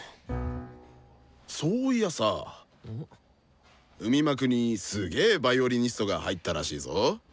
そういやさ海幕にすげヴァイオリニストが入ったらしいぞ。